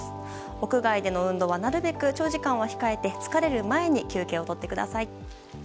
屋外での運動はなるべく長時間は控えて疲れる前に休憩をとってください。